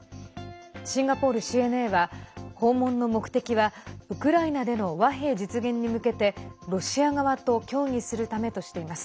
シンガポールＣＮＡは訪問の目的はウクライナでの和平実現に向けてロシア側と協議するためとしています。